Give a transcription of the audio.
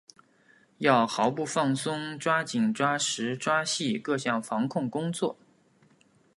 要毫不放松抓紧抓实抓细各项防控工作